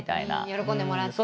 喜んでもらって。